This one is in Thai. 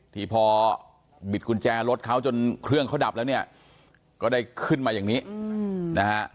ที่พอบิดกุญแจรถเขาจนเครื่องเขาดับแล้วเนี่ยก็ได้ขึ้นมาอย่างนี้นะฮะ